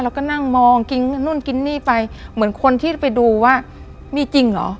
แล้วก็นั่งมองกินนู่นกินนี่ไปเหมือนคนที่ไปดูว่ามีจริงเหรอ